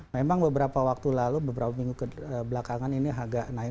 memang beberapa waktu lalu beberapa minggu kebelakangan ini agak naik